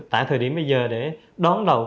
tại thời điểm bây giờ để đón thả tôm